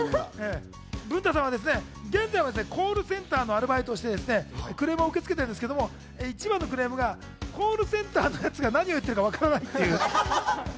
文太さんは現在、コールセンターのアルバイトをして、クレームを受け付けているんですけど、一番のクレームがコールセンターのやつが何を言ってるかわからない。